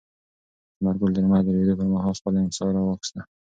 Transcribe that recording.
ثمر ګل د لمر د لوېدو پر مهال خپله امسا راواخیسته.